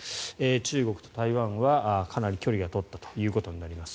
中国と台湾はかなり距離を取ったということになります。